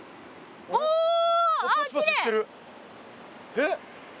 えっ？